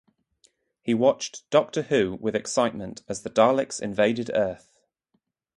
He watched “Doctor Who” with excitement as the Daleks invaded earth.